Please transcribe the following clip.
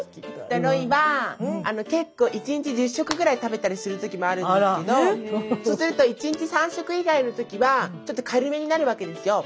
ロイは結構１日１０食ぐらい食べたりする時もあるんですけどそうすると１日３食以外の時はちょっと軽めになるわけですよ。